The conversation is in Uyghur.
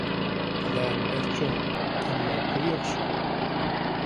پىلان بەك چوڭ، ئەمما پۇل يوق شۇ.